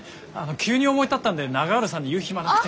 急に思い立ったんで永浦さんに言う暇なくて。